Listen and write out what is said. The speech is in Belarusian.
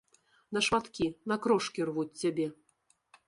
На шматкі, на крошкі рвуць цябе.